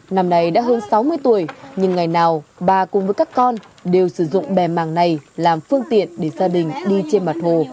năm nay đã hơn sáu mươi tuổi nhưng ngày nào bà cùng với các con đều sử dụng bè màng này làm phương tiện để gia đình đi trên mặt hồ